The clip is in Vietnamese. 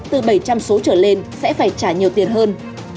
từ bảy trăm linh số trở lên sẽ phải trả nhiều tiền hơn